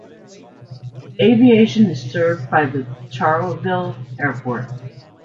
Aviation is served by the Charleville Airport.